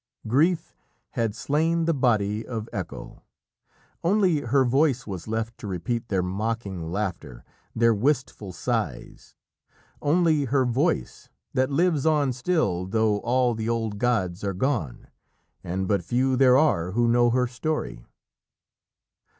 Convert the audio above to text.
Grief had slain the body of Echo. Only her voice was left to repeat their mocking laughter, their wistful sighs only her voice that lives on still though all the old gods are gone, and but few there are who know her story.